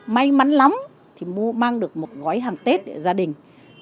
may mắn lắm thì mua mang được một gói hàng tết để gia đình